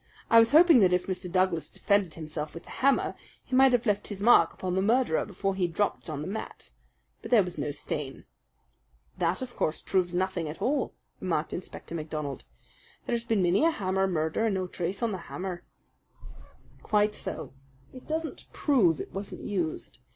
I was hoping that if Mr. Douglas defended himself with the hammer, he might have left his mark upon the murderer before he dropped it on the mat. But there was no stain." "That, of course, proves nothing at all," remarked Inspector MacDonald. "There has been many a hammer murder and no trace on the hammer." "Quite so. It doesn't prove it wasn't used.